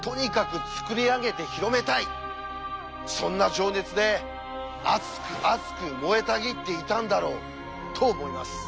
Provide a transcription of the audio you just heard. そんな情熱で熱く熱く燃えたぎっていたんだろうと思います。